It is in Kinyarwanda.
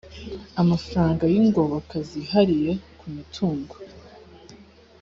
amafaranga y ingoboka zihariye ku mitungo